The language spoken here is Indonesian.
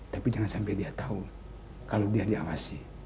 tapi jangan sampai dia tahu kalau dia diawasi